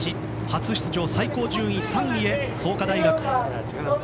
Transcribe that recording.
初出場最高順位３位へ創価大学。